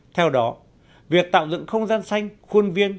theo đó việc tạo dựng không gian xanh khuôn viên